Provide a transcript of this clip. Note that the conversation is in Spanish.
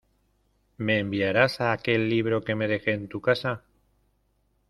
¿Me enviarás aquel libro que me dejé en tu casa?